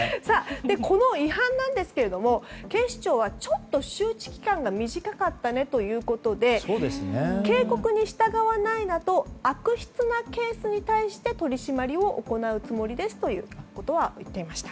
この違反なんですけど警視庁の周知期間が短かったねということで警告に従わないのと悪質なケースに対して取り締まりを行うつもりですということは言っていました。